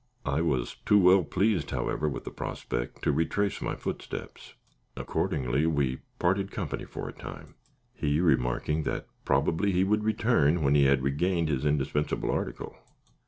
I was too well pleased, however, with the prospect to retrace my footsteps. Accordingly, we parted company for a time, he remarking that probably he would return when he had regained his indispensable article.